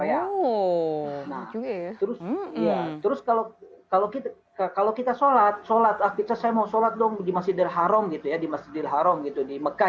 nah terus kalau kita sholat sholat saya mau sholat dong di masjidil haram gitu ya di masjidil haram gitu di mekah